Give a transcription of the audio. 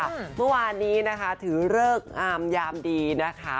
เมื่อวานนี้นะคะถือเลิกงามยามดีนะคะ